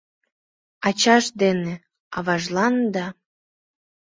Ачаж дене аважлан да